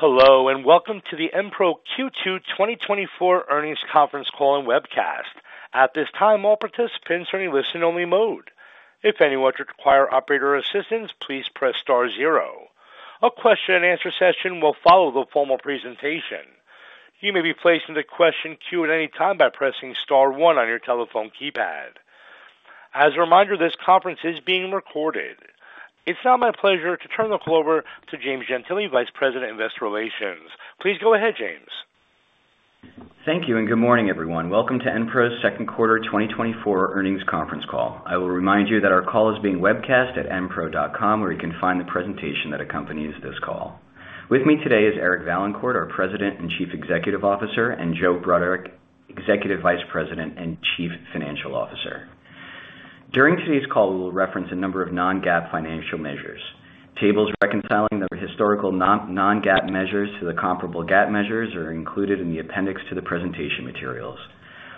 Hello, and welcome to the Enpro Q2 2024 Earnings Conference Call and Webcast. At this time, all participants are in listen-only mode. If anyone should require operator assistance, please press star zero. A question-and-answer session will follow the formal presentation. You may be placed in the question queue at any time by pressing star one on your telephone keypad. As a reminder, this conference is being recorded. It's now my pleasure to turn the call over to James Gentile, Vice President, Investor Relations. Please go ahead, James. Thank you, and good morning, everyone. Welcome to Enpro's second quarter 2024 earnings conference call. I will remind you that our call is being webcast at enpro.com, where you can find the presentation that accompanies this call. With me today is Eric Vaillancourt, our President and Chief Executive Officer, and Joe Broderick, Executive Vice President and Chief Financial Officer. During today's call, we will reference a number of non-GAAP financial measures. Tables reconciling the historical non-GAAP measures to the comparable GAAP measures are included in the appendix to the presentation materials.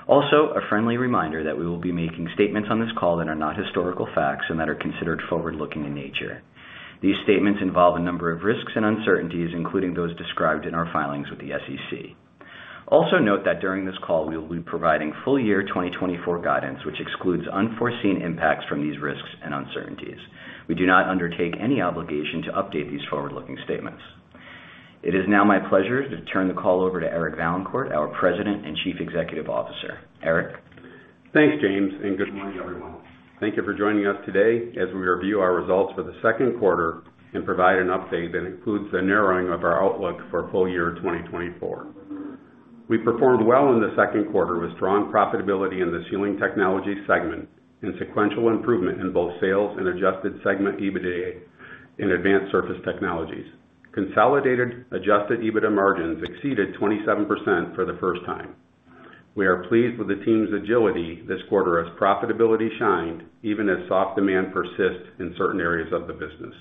Also, a friendly reminder that we will be making statements on this call that are not historical facts and that are considered forward-looking in nature. These statements involve a number of risks and uncertainties, including those described in our filings with the SEC. Also note that during this call, we will be providing full year 2024 guidance, which excludes unforeseen impacts from these risks and uncertainties. We do not undertake any obligation to update these forward-looking statements. It is now my pleasure to turn the call over to Eric Vaillancourt, our President and Chief Executive Officer. Eric? Thanks, James, and good morning, everyone. Thank you for joining us today as we review our results for the second quarter and provide an update that includes the narrowing of our outlook for full year 2024. We performed well in the second quarter with strong profitability in the Sealing Technologies segment and sequential improvement in both sales and adjusted segment EBITDA in Advanced Surface Technologies. Consolidated adjusted EBITDA margins exceeded 27% for the first time. We are pleased with the team's agility this quarter, as profitability shined, even as soft demand persists in certain areas of the business.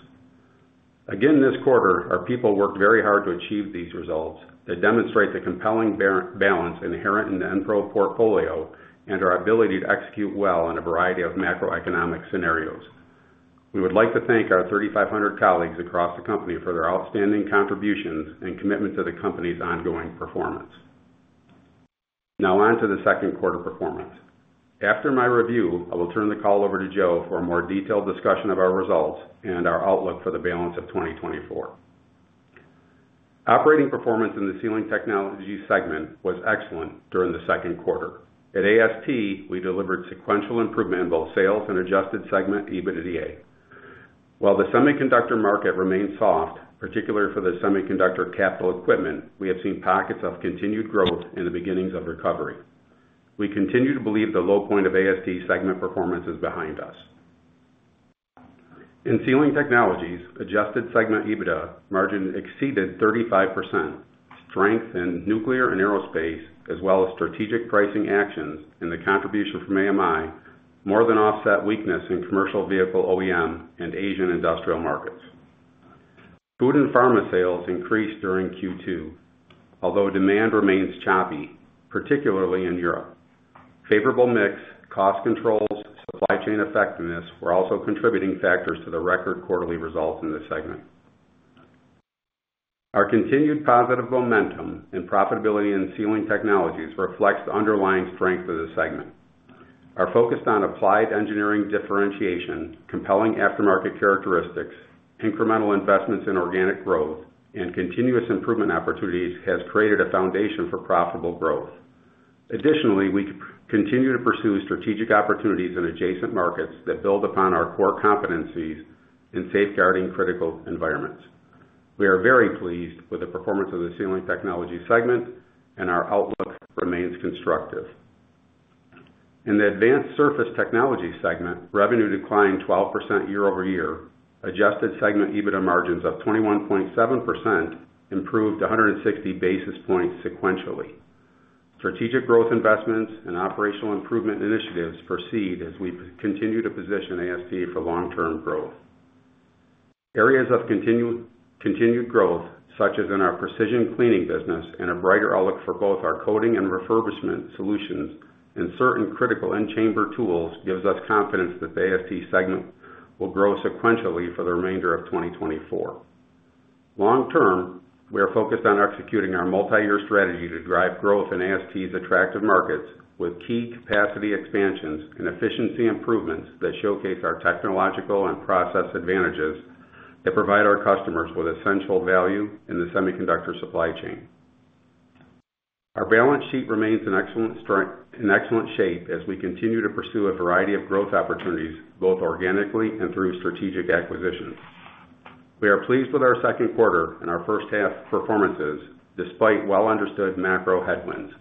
Again, this quarter, our people worked very hard to achieve these results that demonstrate the compelling balance inherent in the Enpro portfolio and our ability to execute well in a variety of macroeconomic scenarios. We would like to thank our 3,500 colleagues across the company for their outstanding contributions and commitment to the company's ongoing performance. Now on to the second quarter performance. After my review, I will turn the call over to Joe for a more detailed discussion of our results and our outlook for the balance of 2024. Operating performance in the Sealing Technologies segment was excellent during the second quarter. At AST, we delivered sequential improvement in both sales and adjusted segment EBITDA. While the semiconductor market remains soft, particularly for the semiconductor capital equipment, we have seen pockets of continued growth and the beginnings of recovery. We continue to believe the low point of AST segment performance is behind us. In Sealing Technologies, adjusted segment EBITDA margin exceeded 35%. Strength in nuclear and aerospace, as well as strategic pricing actions and the contribution from AMI, more than offset weakness in commercial vehicle OEM and Asian industrial markets. Food and pharma sales increased during Q2, although demand remains choppy, particularly in Europe. Favorable mix, cost controls, supply chain effectiveness were also contributing factors to the record quarterly results in this segment. Our continued positive momentum in profitability and Sealing Technologies reflects the underlying strength of the segment. Our focus on applied engineering differentiation, compelling aftermarket characteristics, incremental investments in organic growth, and continuous improvement opportunities has created a foundation for profitable growth. Additionally, we continue to pursue strategic opportunities in adjacent markets that build upon our core competencies in safeguarding critical environments. We are very pleased with the performance of the Sealing Technologies segment, and our outlook remains constructive. In the Advanced Surface Technologies segment, revenue declined 12% year-over-year. Adjusted segment EBITDA margins of 21.7% improved 160 basis points sequentially. Strategic growth investments and operational improvement initiatives proceed as we continue to position AST for long-term growth. Areas of continued growth, such as in our precision cleaning business and a brighter outlook for both our coating and refurbishment solutions and certain critical in-chamber tools, gives us confidence that the AST segment will grow sequentially for the remainder of 2024. Long term, we are focused on executing our multi-year strategy to drive growth in AST's attractive markets with key capacity expansions and efficiency improvements that showcase our technological and process advantages that provide our customers with essential value in the semiconductor supply chain. Our balance sheet remains in excellent strength, in excellent shape as we continue to pursue a variety of growth opportunities, both organically and through strategic acquisitions. We are pleased with our second quarter and our first half performances, despite well-understood macro headwinds.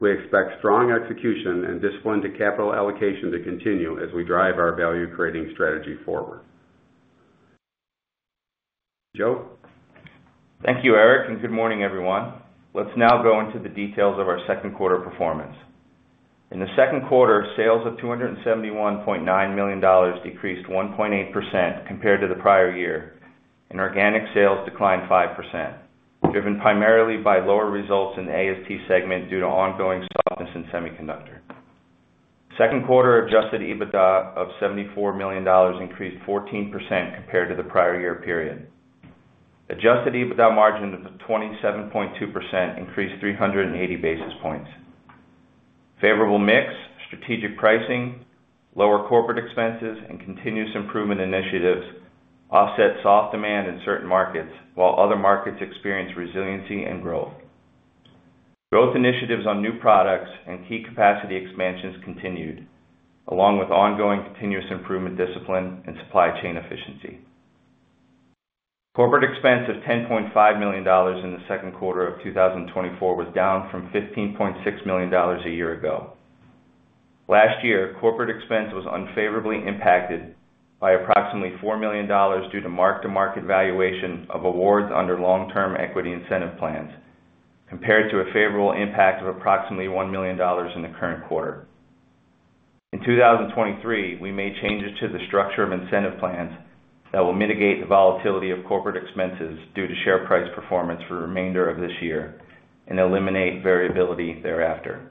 We expect strong execution and discipline to capital allocation to continue as we drive our value-creating strategy forward. Joe? Thank you, Eric, and good morning, everyone. Let's now go into the details of our second quarter performance. In the second quarter, sales of $271.9 million decreased 1.8% compared to the prior year, and organic sales declined 5%, driven primarily by lower results in the AST segment due to ongoing softness in semiconductor.... Second quarter adjusted EBITDA of $74 million increased 14% compared to the prior year period. Adjusted EBITDA margin of 27.2% increased 380 basis points. Favorable mix, strategic pricing, lower corporate expenses, and continuous improvement initiatives offset soft demand in certain markets, while other markets experienced resiliency and growth. Growth initiatives on new products and key capacity expansions continued, along with ongoing continuous improvement discipline and supply chain efficiency. Corporate expense of $10.5 million in the second quarter of 2024 was down from $15.6 million a year ago. Last year, corporate expense was unfavorably impacted by approximately $4 million due to mark-to-market valuation of awards under long-term equity incentive plans, compared to a favorable impact of approximately $1 million in the current quarter. In 2023, we made changes to the structure of incentive plans that will mitigate the volatility of corporate expenses due to share price performance for the remainder of this year and eliminate variability thereafter.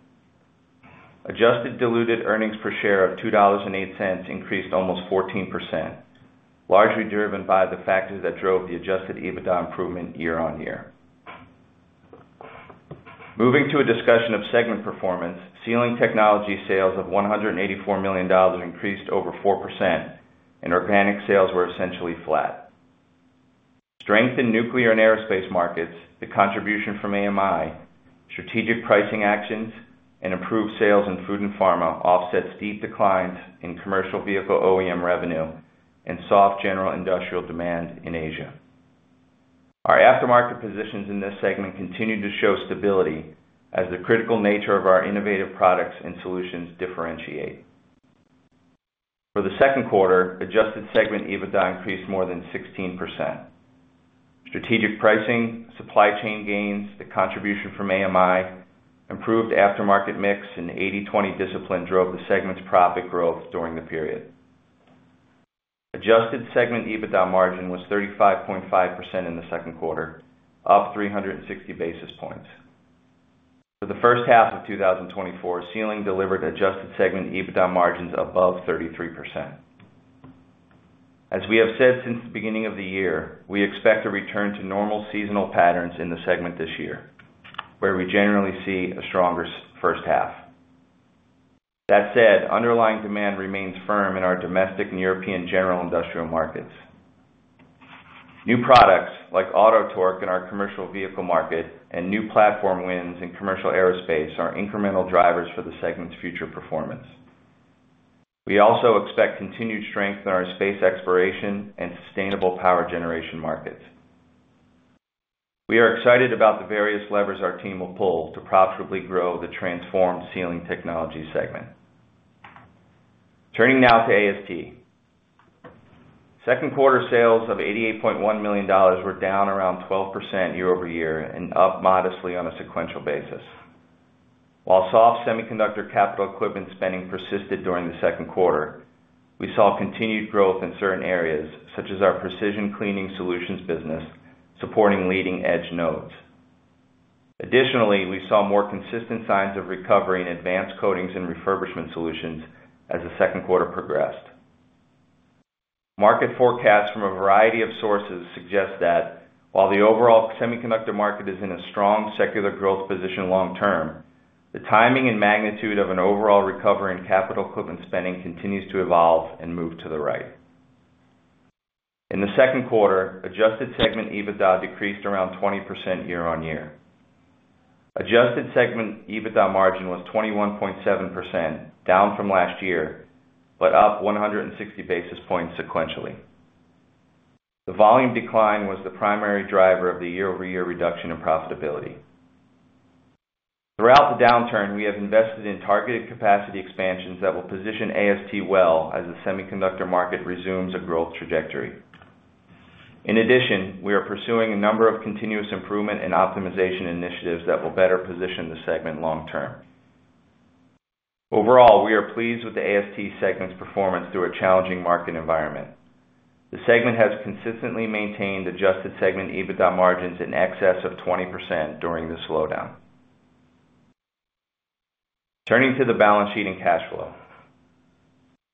Adjusted diluted earnings per share of $2.08 increased almost 14%, largely driven by the factors that drove the adjusted EBITDA improvement year-on-year. Moving to a discussion of segment performance, Sealing Technologies sales of $184 million increased over 4%, and organic sales were essentially flat. Strength in nuclear and aerospace markets, the contribution from AMI, strategic pricing actions, and improved sales in food and pharma offset steep declines in commercial vehicle OEM revenue and soft general industrial demand in Asia. Our aftermarket positions in this segment continued to show stability as the critical nature of our innovative products and solutions differentiate. For the second quarter, adjusted segment EBITDA increased more than 16%. Strategic pricing, supply chain gains, the contribution from AMI, improved aftermarket mix, and 80/20 discipline drove the segment's profit growth during the period. Adjusted segment EBITDA margin was 35.5% in the second quarter, up 360 basis points. For the first half of 2024, Sealing delivered adjusted segment EBITDA margins above 33%. As we have said since the beginning of the year, we expect a return to normal seasonal patterns in the segment this year, where we generally see a stronger first half. That said, underlying demand remains firm in our domestic and European general industrial markets. New products like Auto-Torque in our commercial vehicle market and new platform wins in commercial aerospace are incremental drivers for the segment's future performance. We also expect continued strength in our space exploration and sustainable power generation markets. We are excited about the various levers our team will pull to profitably grow the transformed Sealing Technologies segment. Turning now to AST. Second quarter sales of $88.1 million were down around 12% year-over-year and up modestly on a sequential basis. While soft semiconductor capital equipment spending persisted during the second quarter, we saw continued growth in certain areas, such as our precision cleaning solutions business, supporting leading-edge nodes. Additionally, we saw more consistent signs of recovery in advanced coatings and refurbishment solutions as the second quarter progressed. Market forecasts from a variety of sources suggest that while the overall semiconductor market is in a strong secular growth position long term, the timing and magnitude of an overall recovery in capital equipment spending continues to evolve and move to the right. In the second quarter, adjusted segment EBITDA decreased around 20% year-on-year. Adjusted segment EBITDA margin was 21.7%, down from last year, but up 160 basis points sequentially. The volume decline was the primary driver of the year-over-year reduction in profitability. Throughout the downturn, we have invested in targeted capacity expansions that will position AST well as the semiconductor market resumes a growth trajectory. In addition, we are pursuing a number of continuous improvement and optimization initiatives that will better position the segment long term. Overall, we are pleased with the AST segment's performance through a challenging market environment. The segment has consistently maintained adjusted segment EBITDA margins in excess of 20% during the slowdown. Turning to the balance sheet and cash flow.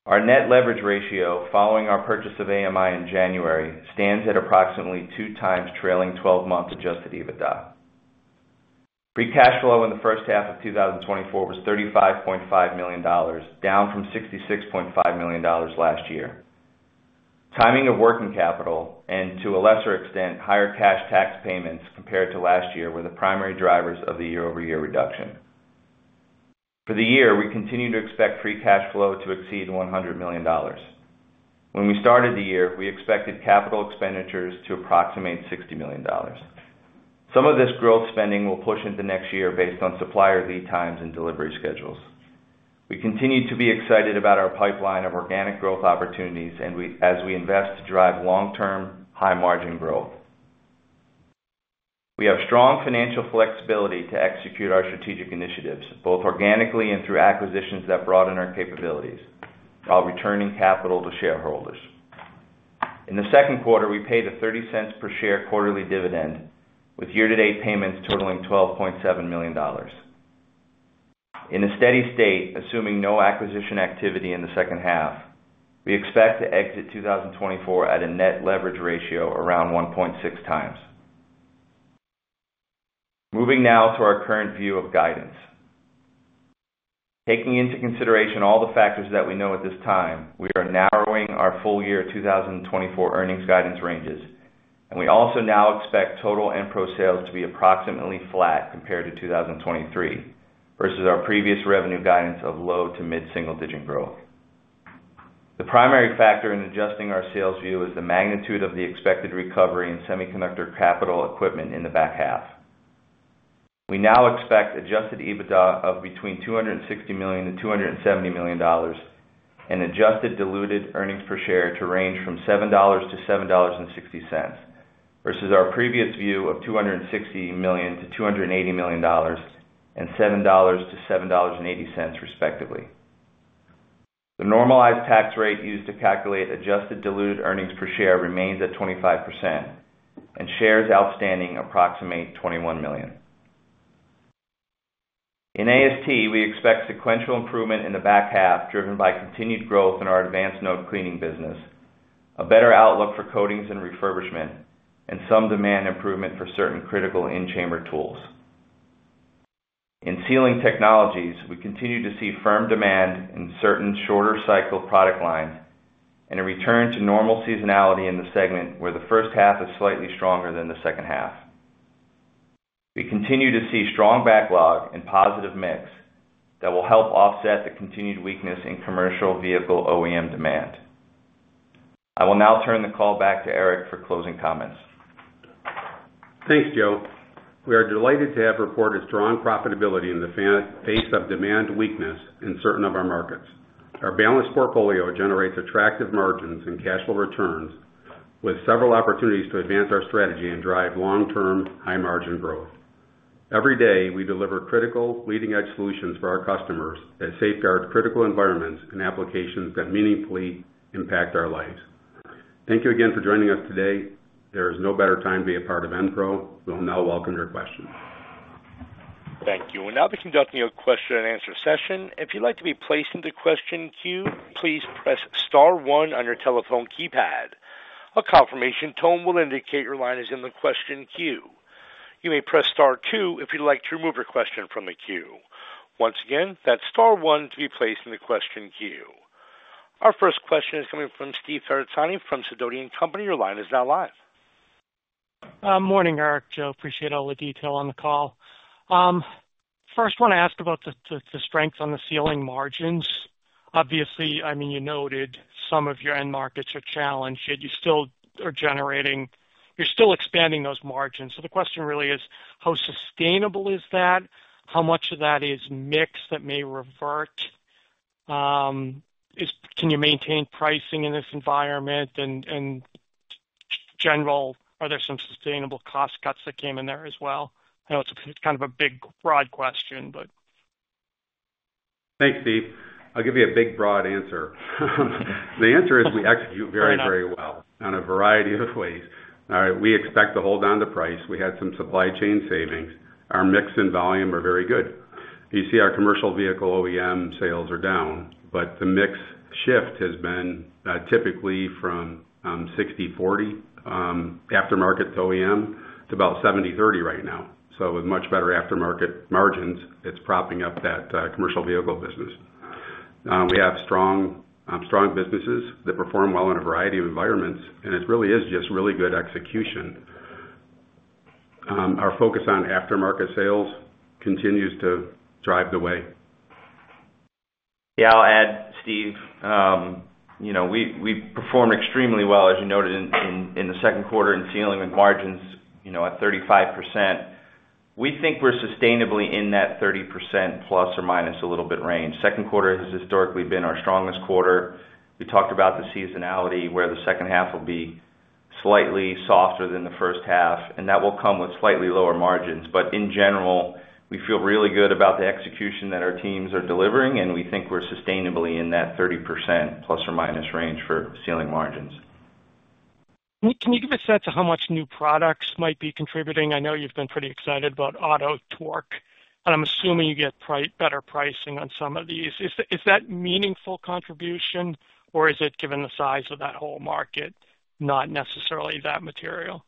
Our net leverage ratio, following our purchase of AMI in January, stands at approximately 2x trailing twelve-month adjusted EBITDA. Free cash flow in the first half of 2024 was $35.5 million, down from $66.5 million last year. Timing of working capital, and to a lesser extent, higher cash tax payments compared to last year, were the primary drivers of the year-over-year reduction. For the year, we continue to expect free cash flow to exceed $100 million. When we started the year, we expected capital expenditures to approximate $60 million. Some of this growth spending will push into next year based on supplier lead times and delivery schedules. We continue to be excited about our pipeline of organic growth opportunities and as we invest to drive long-term, high-margin growth. We have strong financial flexibility to execute our strategic initiatives, both organically and through acquisitions that broaden our capabilities, while returning capital to shareholders. In the second quarter, we paid a $0.30 per share quarterly dividend, with year-to-date payments totaling $12.7 million. In a steady state, assuming no acquisition activity in the second half, we expect to exit 2024 at a net leverage ratio around 1.6 times. Moving now to our current view of guidance. Taking into consideration all the factors that we know at this time, we are narrowing our full year 2024 earnings guidance ranges, and we also now expect total Enpro sales to be approximately flat compared to 2023, versus our previous revenue guidance of low- to mid-single-digit growth. The primary factor in adjusting our sales view is the magnitude of the expected recovery in semiconductor capital equipment in the back half. We now expect adjusted EBITDA of between $260 million-$270 million, and adjusted diluted earnings per share to range from $7-$7.60, versus our previous view of $260 million-$280 million, and $7-$7.80, respectively. The normalized tax rate used to calculate adjusted diluted earnings per share remains at 25%, and shares outstanding approximate 21 million. In AST, we expect sequential improvement in the back half, driven by continued growth in our advanced node cleaning business, a better outlook for coatings and refurbishment, and some demand improvement for certain critical in-chamber tools. In Sealing Technologies, we continue to see firm demand in certain shorter cycle product lines and a return to normal seasonality in the segment, where the first half is slightly stronger than the second half. We continue to see strong backlog and positive mix that will help offset the continued weakness in commercial vehicle OEM demand. I will now turn the call back to Eric for closing comments. Thanks, Joe. We are delighted to have reported strong profitability in the face of demand weakness in certain of our markets. Our balanced portfolio generates attractive margins and cash flow returns, with several opportunities to advance our strategy and drive long-term, high-margin growth. Every day, we deliver critical, leading-edge solutions for our customers that safeguard critical environments and applications that meaningfully impact our lives. Thank you again for joining us today. There is no better time to be a part of Enpro. We'll now welcome your questions. Thank you. We'll now be conducting a question-and-answer session. If you'd like to be placed into question queue, please press star one on your telephone keypad. A confirmation tone will indicate your line is in the question queue. You may press star two if you'd like to remove your question from the queue. Once again, that's star one to be placed in the question queue. Our first question is coming from Steve Ferazani from Sidoti & Company. Your line is now live. Morning, Eric, Joe. Appreciate all the detail on the call. First, want to ask about the strength on the sealing margins. Obviously, I mean, you noted some of your end markets are challenged, yet you still are generating... You're still expanding those margins. So the question really is, how sustainable is that? How much of that is mix that may revert? Can you maintain pricing in this environment, and in general, are there some sustainable cost cuts that came in there as well? I know it's kind of a big, broad question, but. Thanks, Steve. I'll give you a big, broad answer. The answer is we execute very, very well on a variety of ways. We expect to hold on to price. We had some supply chain savings. Our mix and volume are very good. You see our commercial vehicle OEM sales are down, but the mix shift has been typically from 60/40 aftermarket to OEM, to about 70/30 right now. So with much better aftermarket margins, it's propping up that commercial vehicle business. We have strong strong businesses that perform well in a variety of environments, and it really is just really good execution. Our focus on aftermarket sales continues to drive the way. Yeah, I'll add, Steve, you know, we performed extremely well, as you noted in the second quarter, in Sealing with margins, you know, at 35%. We think we're sustainably in that 30%, plus or minus a little bit range. Second quarter has historically been our strongest quarter. We talked about the seasonality, where the second half will be slightly softer than the first half, and that will come with slightly lower margins. But in general, we feel really good about the execution that our teams are delivering, and we think we're sustainably in that 30% plus or minus range for Sealing margins. Can you give a sense of how much new products might be contributing? I know you've been pretty excited about Auto-Torque, and I'm assuming you get better pricing on some of these. Is that meaningful contribution, or is it, given the size of that whole market, not necessarily that material?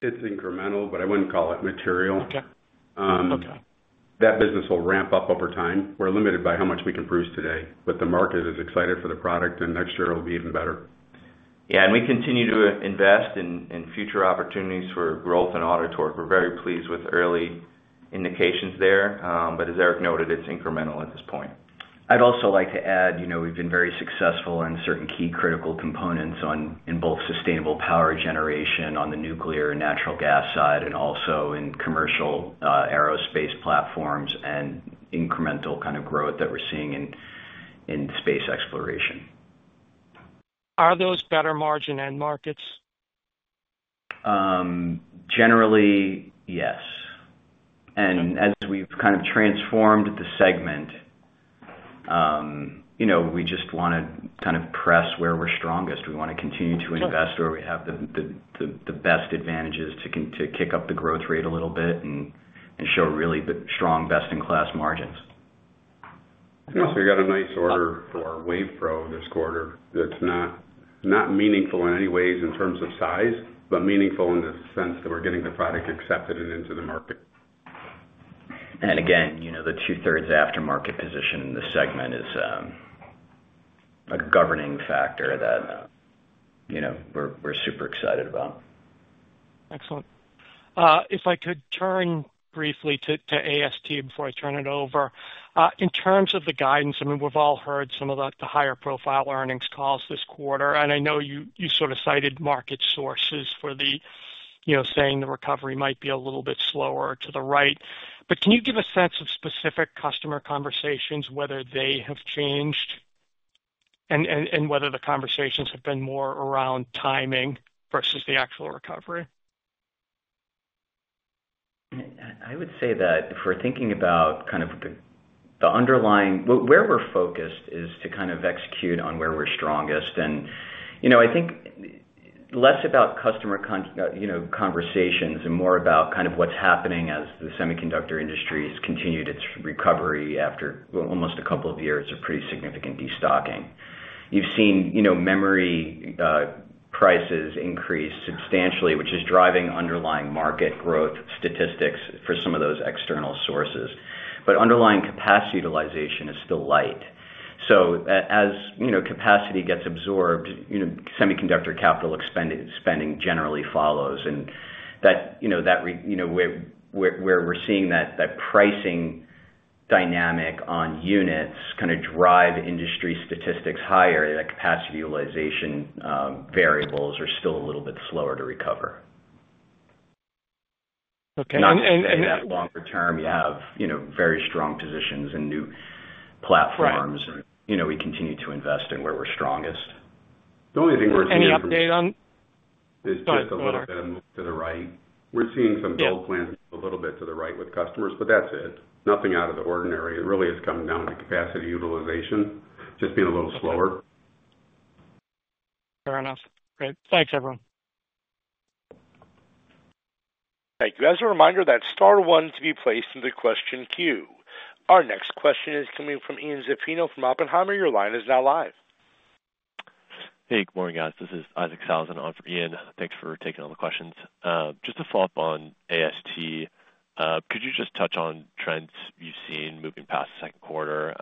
It's incremental, but I wouldn't call it material. Okay. That business will ramp up over time. We're limited by how much we can produce today, but the market is excited for the product, and next year it'll be even better. Yeah, and we continue to invest in future opportunities for growth and Auto-Torque. We're very pleased with early indications there, but as Eric noted, it's incremental at this point. I'd also like to add, you know, we've been very successful on certain key critical components on... in both sustainable power generation, on the nuclear and natural gas side, and also in commercial, aerospace platforms and incremental kind of growth that we're seeing in space exploration. Are those better margin end markets?... Generally, yes. As we've kind of transformed the segment, you know, we just want to kind of press where we're strongest. We want to continue to invest where we have the best advantages to kick up the growth rate a little bit and show really the strong best-in-class margins. Also, we got a nice order for WavePro this quarter. That's not meaningful in any ways in terms of size, but meaningful in the sense that we're getting the product accepted and into the market. And again, you know, the two-thirds aftermarket position in the segment is a governing factor that, you know, we're super excited about. Excellent. If I could turn briefly to AST before I turn it over. In terms of the guidance, I mean, we've all heard some of the higher profile earnings calls this quarter, and I know you sort of cited market sources for the, you know, saying the recovery might be a little bit slower to the right. But can you give a sense of specific customer conversations, whether they have changed, and whether the conversations have been more around timing versus the actual recovery? I would say that if we're thinking about kind of the underlying. Where we're focused is to kind of execute on where we're strongest. And, you know, I think less about customer conversations and more about kind of what's happening as the semiconductor industry has continued its recovery after almost a couple of years of pretty significant destocking. You've seen, you know, memory prices increase substantially, which is driving underlying market growth statistics for some of those external sources. But underlying capacity utilization is still light. So as, you know, capacity gets absorbed, you know, semiconductor capital spending generally follows. And that, you know, where we're seeing that pricing dynamic on units kind of drive industry statistics higher, the capacity utilization variables are still a little bit slower to recover. Okay, and That longer term, you have, you know, very strong positions and new platforms. Right. You know, we continue to invest in where we're strongest. The only thing we're seeing- Any update on? It's just a little bit of a move to the right. We're seeing some build plans move a little bit to the right with customers, but that's it. Nothing out of the ordinary. It really is coming down to capacity utilization, just being a little slower. Fair enough. Great. Thanks, everyone. Thank you. As a reminder, that's star one to be placed in the question queue. Our next question is coming from Ian Zaffino from Oppenheimer. Your line is now live. Hey, good morning, guys. This is Isaac Sellhausen on for Ian Zaffino. Thanks for taking all the questions. Just to follow up on AST, could you just touch on trends you've seen moving past the second quarter?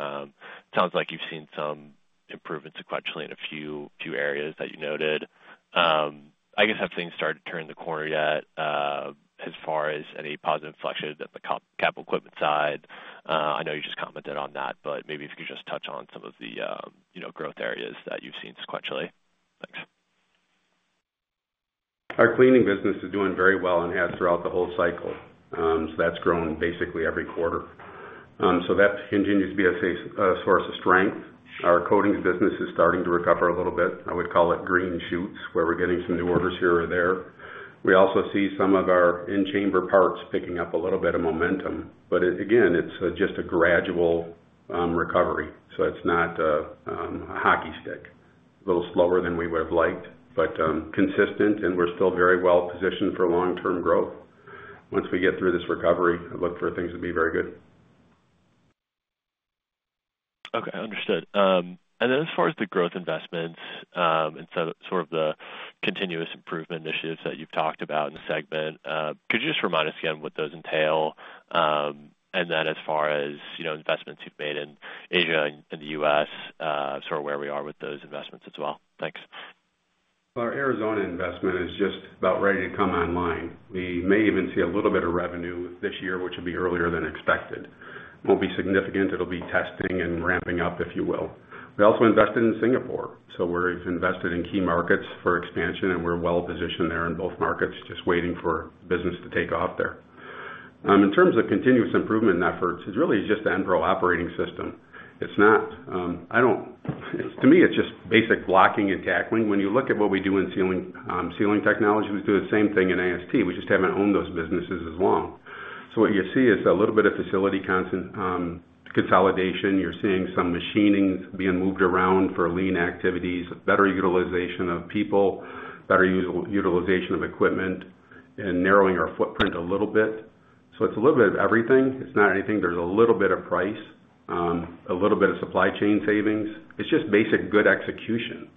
Sounds like you've seen some improvement sequentially in a few areas that you noted. I guess, have things started to turn the corner yet, as far as any positive inflections at the capital equipment side? I know you just commented on that, but maybe if you could just touch on some of the, you know, growth areas that you've seen sequentially. Thanks. Our cleaning business is doing very well and has throughout the whole cycle. So that's grown basically every quarter. So that continues to be a source of strength. Our coatings business is starting to recover a little bit. I would call it green shoots, where we're getting some new orders here or there. We also see some of our in-chamber parts picking up a little bit of momentum, but again, it's just a gradual recovery, so it's not a hockey stick. A little slower than we would have liked, but consistent, and we're still very well positioned for long-term growth. Once we get through this recovery, I look for things to be very good. Okay, understood. And then as far as the growth investments, and so sort of the continuous improvement initiatives that you've talked about in the segment, could you just remind us again what those entail? And then as far as, you know, investments you've made in Asia and in the US, sort of where we are with those investments as well? Thanks. Our Arizona investment is just about ready to come online. We may even see a little bit of revenue this year, which will be earlier than expected. Won't be significant. It'll be testing and ramping up, if you will. We also invested in Singapore, so we're invested in key markets for expansion, and we're well positioned there in both markets, just waiting for business to take off there. In terms of continuous improvement efforts, it's really just the Enpro operating system. It's not. To me, it's just basic blocking and tackling. When you look at what we do in sealing, sealing technology, we do the same thing in AST. We just haven't owned those businesses as long. So what you see is a little bit of facility content, consolidation. You're seeing some machining being moved around for lean activities, better utilization of people, better utilization of equipment, and narrowing our footprint a little bit. So it's a little bit of everything. It's not anything. There's a little bit of price, a little bit of supply chain savings. It's just basic good execution,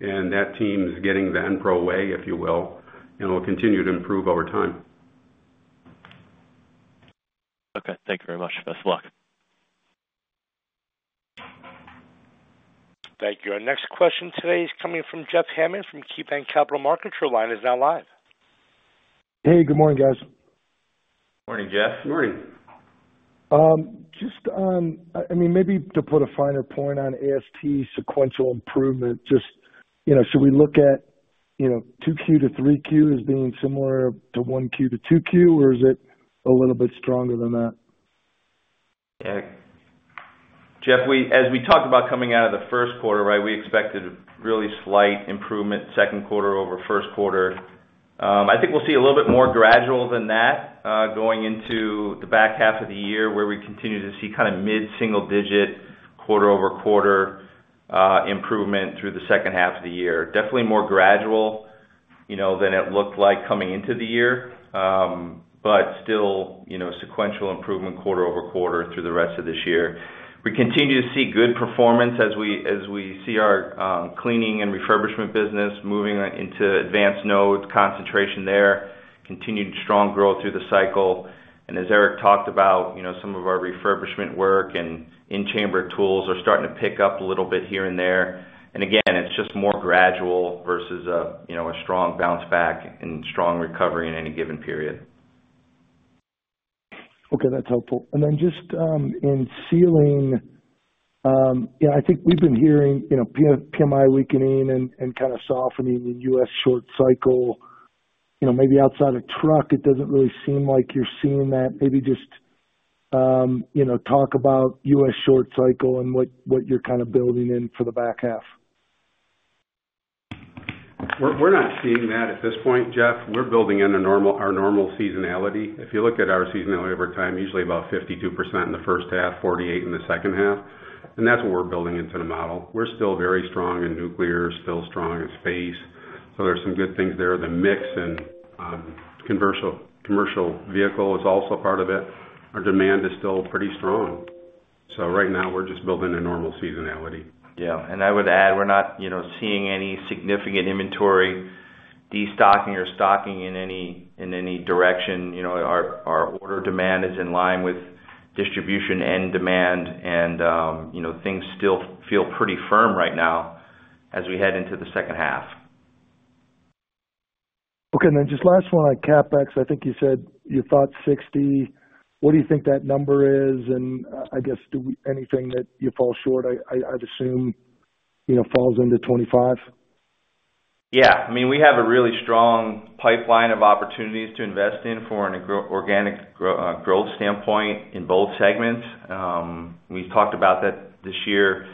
and that team is getting the Enpro way, if you will, and will continue to improve over time. Okay, thank you very much. Best of luck. Thank you. Our next question today is coming from Jeff Hammond from KeyBanc Capital Markets. Your line is now live. Hey, good morning, guys. Morning, Jeff. Morning. Just on, I mean, maybe to put a finer point on AST sequential improvement, just, you know, should we look at, you know, 2Q to 3Q as being similar to 1Q to 2Q, or is it a little bit stronger than that?... Eric? Jeff, we, as we talked about coming out of the first quarter, right, we expected really slight improvement second quarter over first quarter. I think we'll see a little bit more gradual than that, going into the back half of the year, where we continue to see kind of mid-single digit, quarter-over-quarter, improvement through the second half of the year. Definitely more gradual, you know, than it looked like coming into the year. But still, you know, sequential improvement quarter-over-quarter through the rest of this year. We continue to see good performance as we, as we see our, cleaning and refurbishment business moving into advanced nodes, concentration there, continued strong growth through the cycle. And as Eric talked about, you know, some of our refurbishment work and in-chamber tools are starting to pick up a little bit here and there. Again, it's just more gradual versus a, you know, a strong bounce back and strong recovery in any given period. Okay, that's helpful. Then just in sealing, you know, I think we've been hearing, you know, PMI weakening and kind of softening in U.S. short cycle. You know, maybe outside of truck, it doesn't really seem like you're seeing that. Maybe just, you know, talk about U.S. short cycle and what, what you're kind of building in for the back half. We're not seeing that at this point, Jeff. We're building in our normal seasonality. If you look at our seasonality over time, usually about 52% in the first half, 48% in the second half, and that's what we're building into the model. We're still very strong in nuclear, still strong in space, so there's some good things there. The mix and commercial vehicle is also part of it. Our demand is still pretty strong. So right now, we're just building a normal seasonality. Yeah, and I would add, we're not, you know, seeing any significant inventory destocking or stocking in any, in any direction. You know, our, our order demand is in line with distribution and demand, and, you know, things still feel pretty firm right now as we head into the second half. Okay. And then just last one on CapEx. I think you said you thought 60. What do you think that number is? And, I guess, do anything that you fall short, I'd assume, you know, falls into 25? Yeah. I mean, we have a really strong pipeline of opportunities to invest in for an organic growth standpoint in both segments. We've talked about that this year.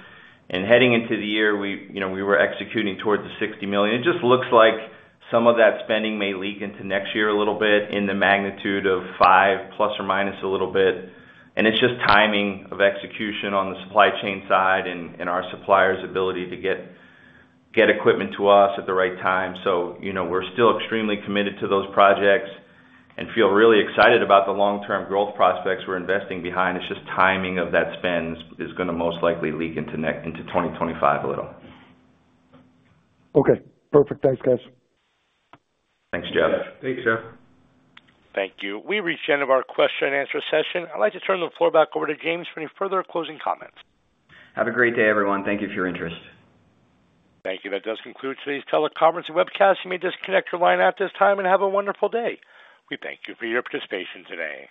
And heading into the year, we, you know, we were executing towards the $60 million. It just looks like some of that spending may leak into next year a little bit in the magnitude of $5 million, plus or minus a little bit. And it's just timing of execution on the supply chain side and our suppliers' ability to get equipment to us at the right time. So, you know, we're still extremely committed to those projects and feel really excited about the long-term growth prospects we're investing behind. It's just timing of that spend is gonna most likely leak into 2025 a little. Okay, perfect. Thanks, guys. Thanks, Jeff. Thanks, Jeff. Thank you. We've reached the end of our question and answer session. I'd like to turn the floor back over to James for any further closing comments. Have a great day, everyone. Thank you for your interest. Thank you. That does conclude today's teleconference and webcast. You may disconnect your line at this time and have a wonderful day. We thank you for your participation today.